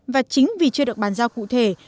và chính vì chưa được bàn giao cụ thể